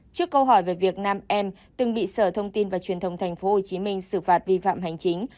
trước câu hỏi về việc nam em từng bị sở thông tin và truyền thông tp hcm xử phạt vi phạm hành chính